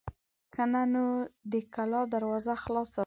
که نه نو د کلا دروازه خلاصه ده.